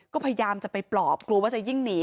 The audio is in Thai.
ก็พยายามจะไปปลอบกลัวว่าจะยิ่งหนี